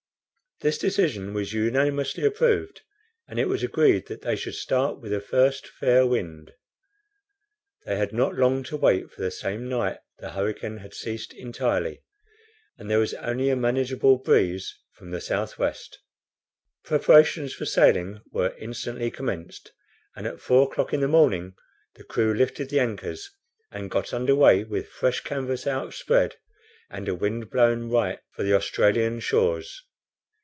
This decision was unanimously approved, and it was agreed that they should start with the first fair wind. They had not to wait long for the same night the hurricane had ceased entirely, and there was only a manageable breeze from the S. W. Preparations for sailing were instantly commenced, and at four o'clock in the morning the crew lifted the anchors, and got under way with fresh canvas outspread, and a wind blowing right for the Australian shores.